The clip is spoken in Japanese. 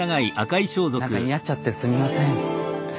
何か似合っちゃってすみません。